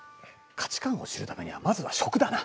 価値観を知るためにはまずは食だな。